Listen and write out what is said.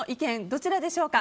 どちらでしょうか。